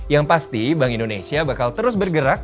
yang pasti bank indonesia bakal terus bergerak